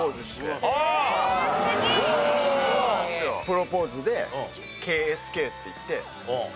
プロポーズでＫＳＫって言って。